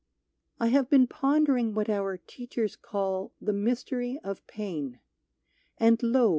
I have been pondering what our teachers call The mystery of Pain; and lo!